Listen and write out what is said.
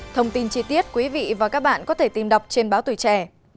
thông tin chi tiết quý vị và các bạn có thể tìm đọc trên báo tuổi trẻ